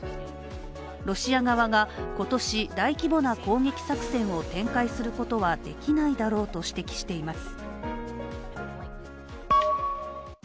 ロシア側が今年、大規模な攻撃作戦を展開することはできないだろうと指摘しています。